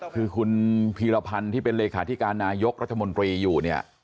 คือคุณพีรพันธ์ที่เป็นเลขาธิการนายกรัฐมนตรีอยู่เนี่ย